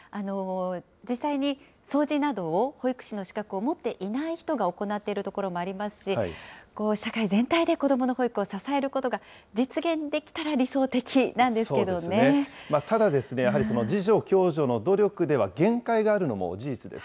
実際に掃除などを、保育士の資格を持っていない人が行っているところもありますし、社会全体で子どもの保育を支えることが実現できたら理想的なんでただ、やはり自助・共助の努力では限界があるのも事実です。